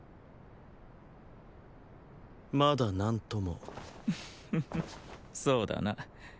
まだ何とも。ッフフそうだな。